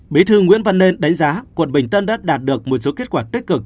bí thư nguyễn văn nên đánh giá quận bình tân đã đạt được một số kết quả tích cực